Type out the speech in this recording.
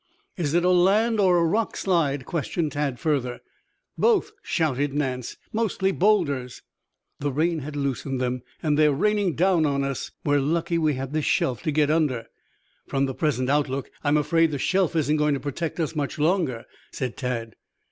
"Is it a land or a rock slide?" questioned Tad further. "Both," shouted Nance. "Mostly boulders." The rain has loosened them and they are raining down on us. We're lucky we had this shelf to get under." "From the present outlook I am afraid the shelf isn't going to protect us much longer," said Tad.